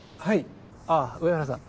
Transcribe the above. あ上原さん。